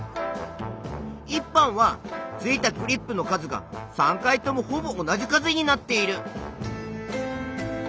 １班は付いたクリップの数が３回ともほぼ同じ数になっている。